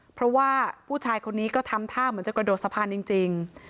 เพราะว่าผู้ชายคนนี้ก็ทำท่าเหมือนจะกระโดดสะพานจริง